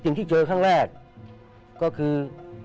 สิ่งที่เจอครั้งแรกก็คือ